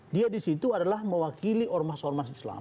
dia di situ adalah mewakili ormas ormas islam